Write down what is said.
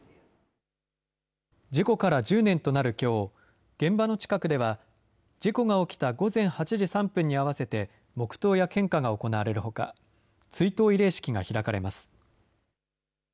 事故から１０年となるきょう、現場の近くでは事故が起きた午前８時３分に合わせて黙とうや献花が行われるほか、追悼慰霊式が開かれます。